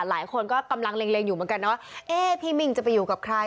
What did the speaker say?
หลายคนก็กำลังเล็งอยู่เหมือนกันนะว่าเอ๊ะพี่มิ่งจะไปอยู่กับใคร